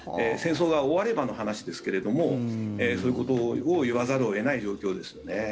戦争が終わればの話ですけれどもそういうことを言わざるを得ない状況ですよね。